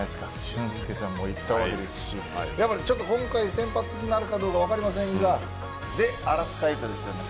俊輔さんもいったわけですし今回、先発になるかどうか分かりませんがデアラスカエタですよね。